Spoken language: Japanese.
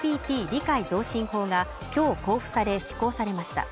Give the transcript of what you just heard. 理解増進法が今日交付され施行されました。